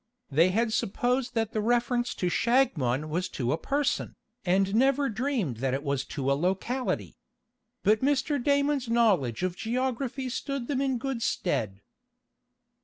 They had supposed that the reference to Shagmon was to a person, and never dreamed that it was to a locality. But Mr. Damon's knowledge of geography stood them in good stead.